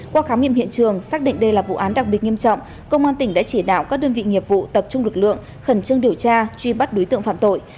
qua khám nghiệm hiện trường xác định đây là vụ án đặc biệt nghiêm trọng công an tỉnh đã chỉ đạo các đơn vị nghiệp vụ tập trung lực lượng khẩn trương điều tra truy bắt đối tượng phạm tội